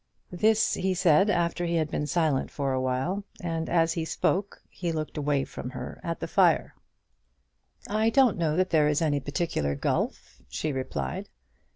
This he said after he had been silent for a while; and as he spoke he looked away from her at the fire. "I don't know that there is any particular gulf," she replied.